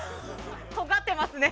とがってますね！